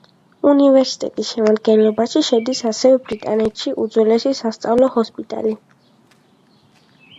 უნივერსიტეტის შემადგენლობაში შედის ასევე ბრიტანეთში უძველესი სასწავლო ჰოსპიტალი.